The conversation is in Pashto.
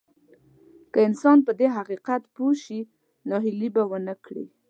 که انسان په دې حقيقت پوه شي ناهيلي به ونه کړي.